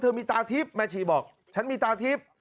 มีตาทิพย์แม่ชีบอกฉันมีตาทิพย์